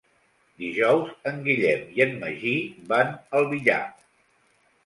Dijous en Guillem i en Magí van al Villar.